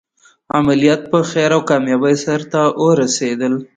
عملیات په خیر او کامیابۍ سرته ورسېدل.